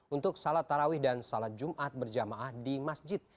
untuk salat tarawih dan salat jumat berjamaah di masjid